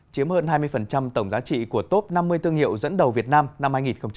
chiếm hơn hai mươi tổng giá trị của top năm mươi thương hiệu dẫn đầu việt nam năm hai nghìn hai mươi